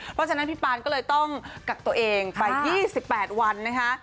เพราะฉะนั้นพี่ปานก็เลยต้องกักตัวเองไป๒๘วันนะคะ